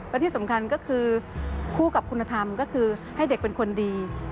และที่สำคัญก็คือคู่กับคุณธรรมก็คือให้เด็กเป็นคนดี